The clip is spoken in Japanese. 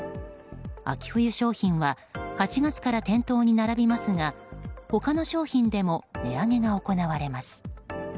秋冬商品は８月から店頭に並びますが他の商品でも値上げが行われます。